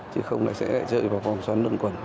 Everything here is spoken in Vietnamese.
chứ không là sẽ lại rơi vào vòng xoắn luận quẩn